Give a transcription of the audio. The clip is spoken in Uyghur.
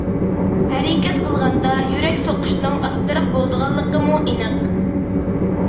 ھەرىكەت قىلغاندا يۈرەك سوقۇشنىڭ ئاستىراق بولىدىغانلىقىمۇ ئېنىق.